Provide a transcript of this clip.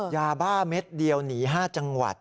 ยาบ้าเม็ดเดียวหนี๕จังหวัด